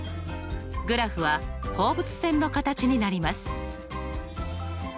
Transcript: グラフは放物線の形になります。